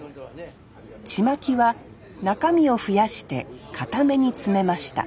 ちまきは中身を増やして固めに詰めました